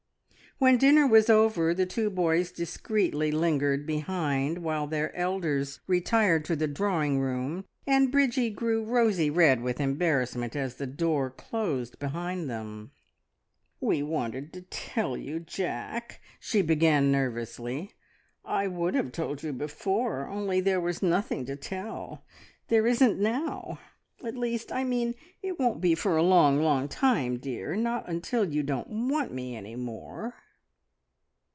When dinner was over, the two boys discreetly lingered behind while their elders retired to the drawing room, and Bridgie grew rosy red with embarrassment as the door closed behind them. "We wanted to tell you, Jack " she began nervously. "I would have told you before, only there was nothing to tell. There isn't now! At least, I mean, it won't be for a long, long time, dear. Not until you don't want me any more."